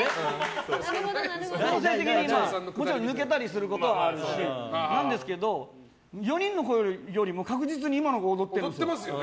もちろん抜けたりすることはあるんですけど４人のころよりも確実に今のほうが踊ってますよ。